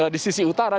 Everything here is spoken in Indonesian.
di sisi utara